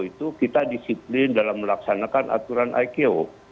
itu kita disiplin dalam melaksanakan aturan iko